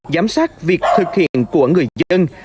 giám sát việc thực hiện của người dân